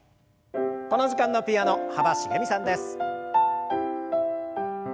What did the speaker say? この時間のピアノ幅しげみさんです。